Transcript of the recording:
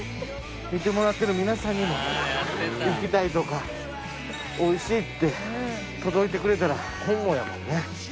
見てもらってる皆さんにも行きたいとかおいしいって届いてくれたら本望やもんね。